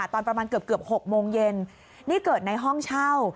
ตอนประมาณเกือบ๖โมงเย็นนี่เกิดในห้องเช่า